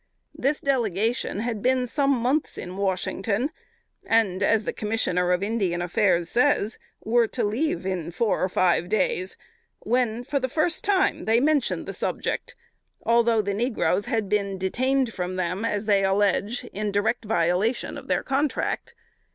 This Delegation had been some months in Washington, and, as the Commissioner of Indian Affairs says, were to leave in four or five days; when, for the first time, they mentioned the subject, although the negroes had been detained from them, as they allege, in direct violation of their contract.